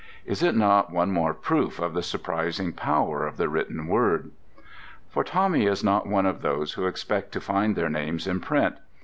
Is it not one more proof of the surprising power of the written word? For Tommy is not one of those who expect to find their names in print.